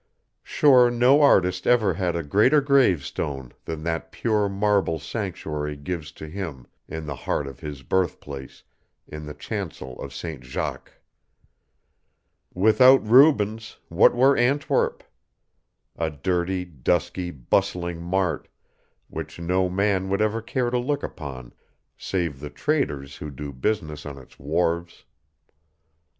Sure no artist ever had a greater gravestone than that pure marble sanctuary gives to him in the heart of his birthplace in the chancel of St. Jacques. Without Rubens, what were Antwerp? A dirty, dusky, bustling mart, which no man would ever care to look upon save the traders who do business on its wharves.